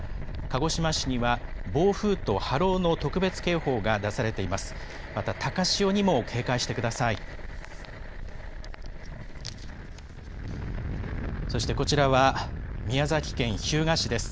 鹿児島市には暴風と波浪の特別警報が出されています。